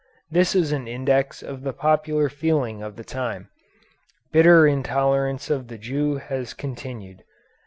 This is an index of the popular feeling of the time. Bitter intolerance of the Jew has continued.